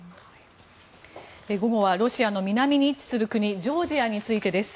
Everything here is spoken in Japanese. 午後はロシアの南に位置する国ジョージアについてです。